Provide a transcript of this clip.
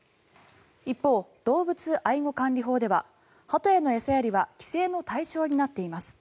一方、動物愛護管理法ではハトへの餌やりは規制の対象になっています。